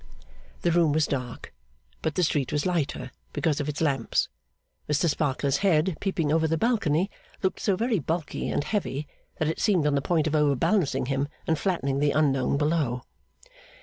The room was dark, but the street was lighter, because of its lamps. Mr Sparkler's head peeping over the balcony looked so very bulky and heavy that it seemed on the point of overbalancing him and flattening the unknown below.